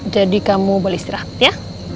jadi kamu boleh istirahat ya